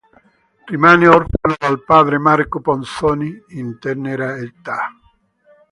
Rimane orfano del padre, Marco Ponzoni, in tenera età.